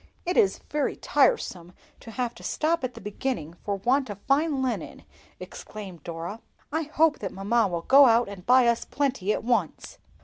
"It is very tiresome to have to stop at the beginning for want of fine linen!" exclaimed Dora. "I hope that mamma will go out and buy us plenty at once."